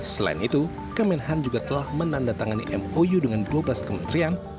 selain itu kemenhan juga telah menandatangani mou dengan dua belas kementerian